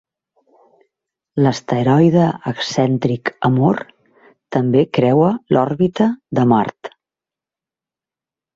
L'asteroide excèntric Amor també creua l'òrbita de Mart.